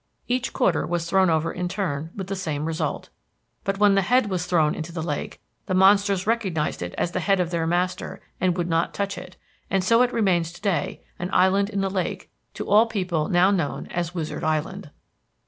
Each quarter was thrown over in turn with the same result, but when the head was thrown into the lake the monsters recognized it as the head of their master and would not touch it, and so it remains to day, an island in the lake, to all people now known as Wizard Island."